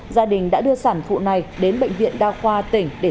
gia đình đã đưa sản phụ này đến bệnh viện đao khoa tỉnh đài loan